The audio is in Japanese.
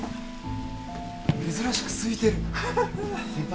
珍しくすいてる先輩